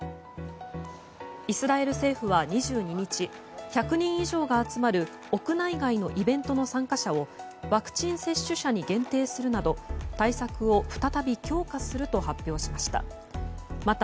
イスラエル政府は２２日１００人以上が集まる屋内外のイベントの参加者をワクチン接種者に限定するなど対策を再び強化すると発表しました。